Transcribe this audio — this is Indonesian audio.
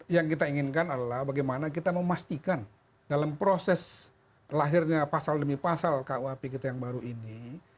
yang kita inginkan adalah bagaimana kita memastikan dalam proses lahirnya pasal demi pasal kuhp kita yang baru ini